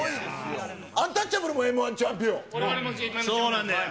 アンタッチャブルもＭー１チャンピオン。